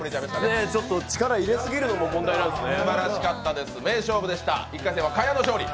いや力入れすぎるのも問題なんですね。